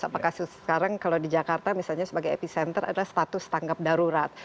apakah sekarang kalau di jakarta misalnya sebagai epicenter adalah status tanggap darurat